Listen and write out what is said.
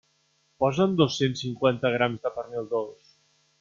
Posa'm dos-cents cinquanta grams de pernil dolç.